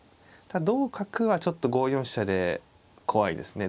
同角はちょっと５四飛車で怖いですね。